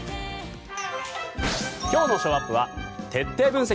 今日のショーアップは徹底分析